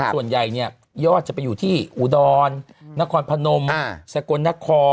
ส่วนใหญ่เนี่ยยอดจะไปอยู่ที่อุดรนครพนมสกลนคร